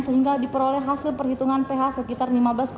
sehingga diperoleh hasil perhitungan ph sekitar lima belas